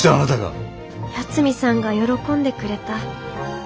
八海さんが喜んでくれた。